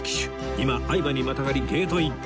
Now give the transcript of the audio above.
今愛馬にまたがりゲートイン